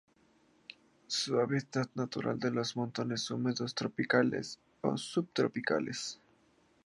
Su hábitat natural son los montanos húmedos tropicales o subtropicales.